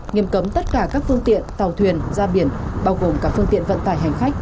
nghiêm cấm tất cả các phương tiện tàu thuyền ra biển bao gồm cả phương tiện vận tải hành khách